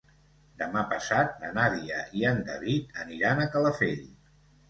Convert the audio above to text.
Demà passat na Nàdia i en David aniran a Calafell.